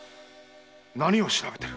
何を調べてる？